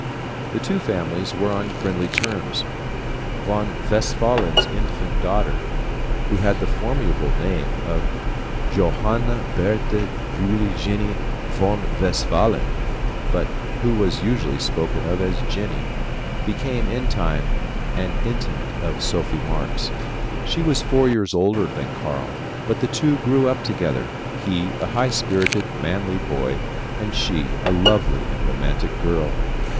The two families were on friendly terms. Von Westphalen's infant daughter, who had the formidable name of Johanna Bertha Julie Jenny von Westphalen, but who was usually spoken of as Jenny, became, in time, an intimate of Sophie Marx. She was four years older than Karl, but the two grew up together he a high spirited, manly boy, and she a lovely and romantic girl.